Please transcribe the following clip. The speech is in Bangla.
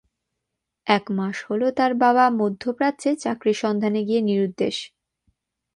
এক মাস হলো তার বাবা মধ্যপ্রাচ্যে চাকরির সন্ধানে গিয়ে নিরুদ্দেশ।